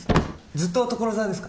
ずっと所沢ですか？